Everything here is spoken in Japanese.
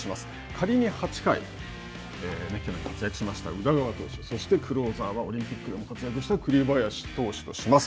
仮に８回、宇田川投手、そしてクローザーはオリンピックでも活躍した栗林投手とします。